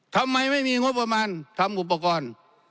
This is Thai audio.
ทำไมไม่มีงบประมาณทำอุปกรณ์